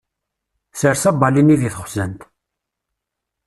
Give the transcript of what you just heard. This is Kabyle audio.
Sers abali-nni deg texzant.